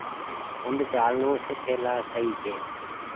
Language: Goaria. پند چآلڻو سهتي لآئي سئي ڇي۔